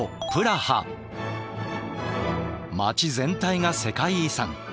街全体が世界遺産。